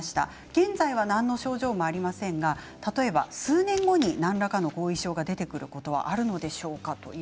現在は何の症状もありませんが例えば数年後に何らかの後遺症が出てくることはあるのでしょうか。